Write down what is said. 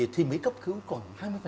thì mấy cấp cứu còn hai mươi